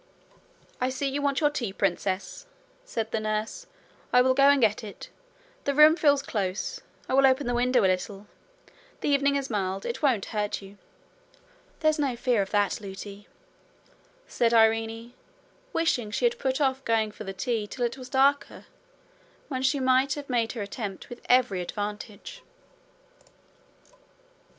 'I see you want your tea, princess,' said the nurse: 'I will go and get it. The room feels close: I will open the window a little. The evening is mild: it won't hurt you.' 'There's no fear of that, Lootie,' said Irene, wishing she had put off going for the tea till it was darker, when she might have made her attempt with every advantage.